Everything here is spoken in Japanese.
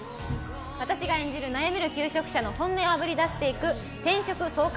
私が演じる悩める求職者の本音をあぶり出していく転職爽快